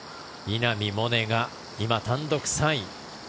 稲見萌寧が今、単独３位。